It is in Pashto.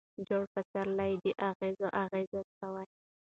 جوړ پسرلی دي اغزی اغزی سو